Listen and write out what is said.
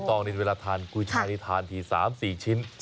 ตอนนี้เวลาทานกุ้ยช่ายที่ทาน๓๔ชิ้น